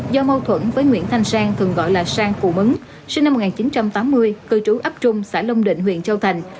do mâu thuẫn với nguyễn thanh sang thường gọi là sang củ mấn sinh năm một nghìn chín trăm tám mươi cư trú ấp trung xã long định huyện châu thành